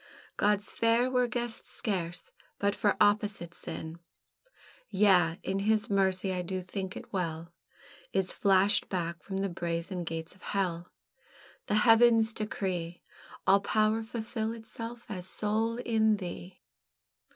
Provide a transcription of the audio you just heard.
God's Fair were guessed scarce but for opposite sin; Yea, and His Mercy, I do think it well, Is flashed back from the brazen gates of Hell. The heavens decree All power fulfil itself as soul in thee.